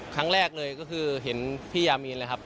ครั้งแรกเลยก็คือเห็นพี่ยามีนเลยครับ